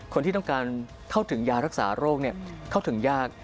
คนที่ต้องการเข้าถึงยารักษาโรคเข้าถึงยาก